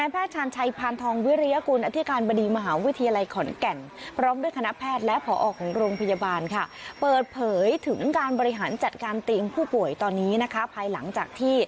ภายหลังจากที่พูดโปรยโควิด๑๙มันเยอะนะ